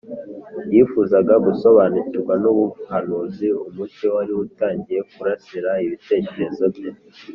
Yifuzaga gusobanukirwa n’ubu buhanuzi. Umucyo wari utangiye kurasira ibitekerezo bye.